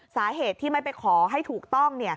สาเหตุที่ไม่ไปขอให้ถูกต้อง